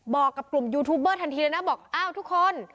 บอกกับกลุ่มยูทูบเบอร์ทันทีเลยนะบอกอ้าวทุกคน